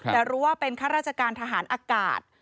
แต่รู้ว่าเป็นข้าราชการทหารอากาศ